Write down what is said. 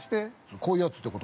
◆こういうやつってこと？